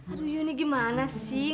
aduh ini gimana sih